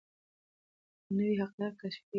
نوي حقایق کشف کیږي.